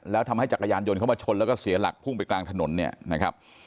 แล้วทำให้จักรยานยนต์เข้ามาชนแล้วก็เสียหลักพุ่งไปกลางถนนเนี่ยนะครับ